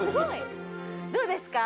どうですか？